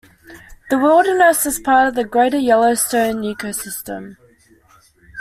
The wilderness is a part of the Greater Yellowstone Ecosystem.